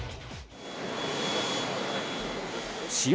試合